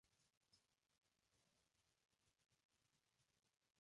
Está compuesta por dos partes que se complementan entre sí.